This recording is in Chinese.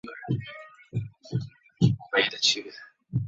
这在当时是具有主导地位的农民运动。